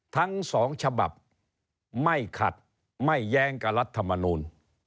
ทั้งสองฉบับไม่ขัดไม่แย้งกับรัฐมนูล